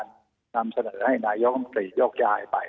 นำเสนอให้นายกรรมตรีโยกย้ายไป